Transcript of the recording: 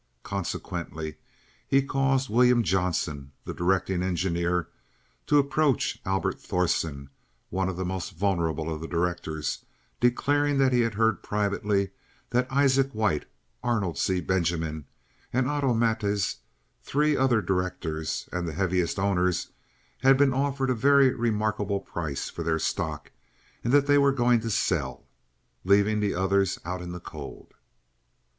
Consequently he caused William Johnson, the directing engineer, to approach Albert Thorsen, one of the most vulnerable of the directors, declaring he had heard privately that Isaac White, Arnold C. Benjamin, and Otto Matjes, three other directors and the heaviest owners, had been offered a very remarkable price for their stock, and that they were going to sell, leaving the others out in the cold.